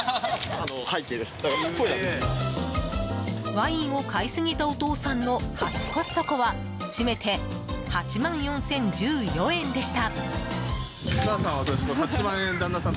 ワインを買いすぎたお父さんの初コストコはしめて８万４０１４円でした。